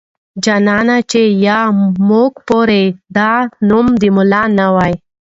جانانه چې يا موږ پورې دا نوم د ملا نه واي.